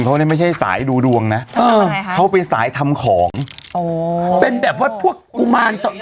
โทษให้ไม่ใช่สายดูดวงน่ะเออเขาเป็นสายทำของหนึ่งเหรอครับ